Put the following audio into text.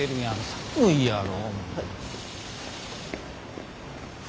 寒いやろ。